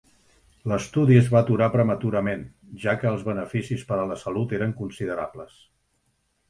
L'estudi es va aturar prematurament, ja que els beneficis per a la salut eren considerables.